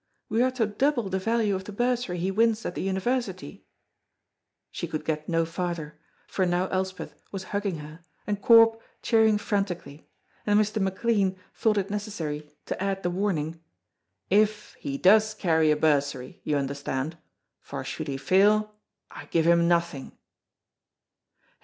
We are to double the value of the bursary he wins at the university " She could get no farther, for now Elspeth was hugging her, and Corp cheering frantically, and Mr. McLean thought it necessary to add the warning, "If he does carry a bursary, you understand, for should he fail I give him nothing."